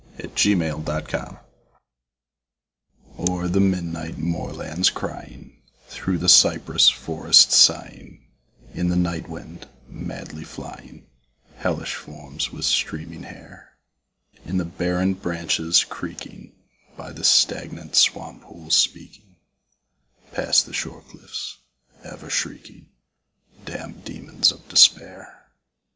P. Lovecraft O'er the midnight moorlands crying, Thro' the cypress forests sighing, In the night wind madly flying, Hellish forms with streaming hair; In the barren branches creaking, By the stagnant swamp pools speaking, Past the shore cliffs ever shrieking, Damn'd demons of despair.